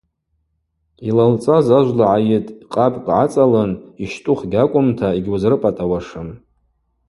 Йлалцӏаз ажвла гӏайытӏ, къабкӏ гӏацӏалын – йщтӏух гьакӏвымта йгьуызрыпӏатӏауашым.